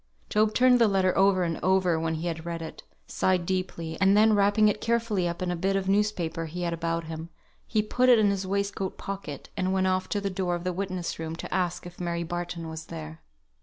Job turned the letter over and over when he had read it; sighed deeply; and then wrapping it carefully up in a bit of newspaper he had about him, he put it in his waistcoat pocket, and went off to the door of the witness room to ask if Mary Barton were there.